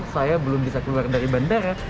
saya belum bisa keluar dari bandara